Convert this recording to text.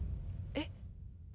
えっ？